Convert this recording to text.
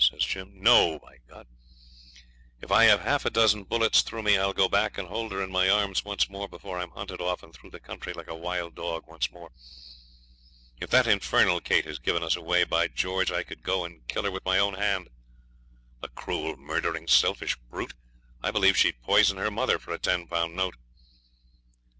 says Jim. 'No, by ! If I have half a dozen bullets through me, I'll go back and hold her in my arms once more before I'm hunted off and through the country like a wild dog once more. If that infernal Kate has given us away, by George, I could go and kill her with my own hand! The cruel, murdering, selfish brute, I believe she'd poison her mother for a ten pound note!'